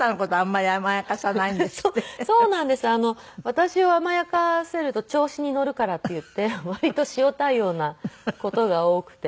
私を甘やかせると調子に乗るからっていって割と塩対応な事が多くて。